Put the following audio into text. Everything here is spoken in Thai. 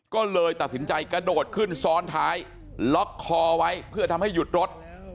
ก็เลยตัดสินใจกระโดดขึ้นซ้อนท้ายล็อกคอไว้เพื่อทำให้หยุดรถ